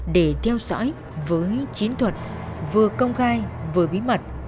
để theo dõi với chiến thuật vừa công khai vừa bí mật